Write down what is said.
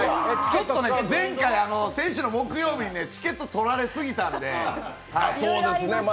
前回ね、先週の木曜日にチケット取られすぎたんでね。